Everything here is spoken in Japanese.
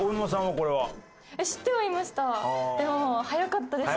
でも早かったです。